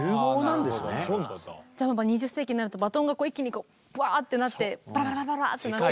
じゃあ２０世紀になるとバトンが一気にこうブワッてなってバラバラバラバラってなって。